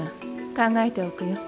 考えておくよ。